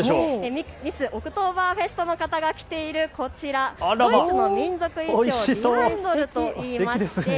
ミスオクトーバーフェストの方が着ているこちら、ドイツの民族衣装、ディアンドルといいます。